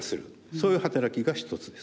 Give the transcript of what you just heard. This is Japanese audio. そういう働きが一つですね。